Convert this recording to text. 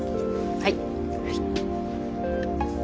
はい。